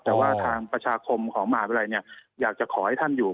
แต่ว่าทางประชาคมของหมากลิขวันไลนี่อยากจะขอให้ท่านอยู่